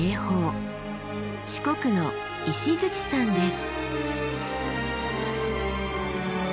四国の石山です。